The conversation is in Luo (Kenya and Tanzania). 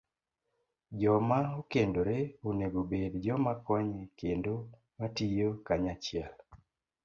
Joma okendore onego obed joma konye kendo ma tiyo kanyachiel